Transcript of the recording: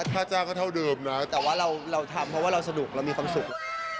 แต่ว่าเราทำเพราะว่าเราสนุกเรามีความสุข